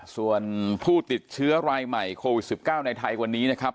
ส่วนผู้ติดเชื้อรายใหม่โควิด๑๙ในไทยวันนี้นะครับ